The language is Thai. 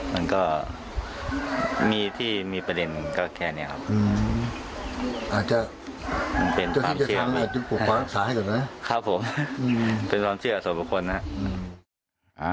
มันก็มีที่มีประเด็นก็แค่นี้ครับอาจจะเป็นความเชื่อส่วนบุคคลนะ